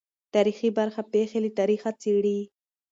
تاریخي برخه پېښې له تاریخه څېړي.